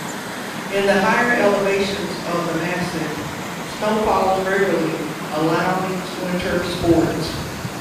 In the higher elevations of the massif, snow falls regularly, allowing winter sports.